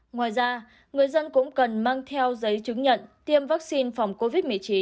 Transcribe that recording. ngoài ra người dân cũng cần mang theo giấy chứng nhận tiêm vaccine phòng covid một mươi chín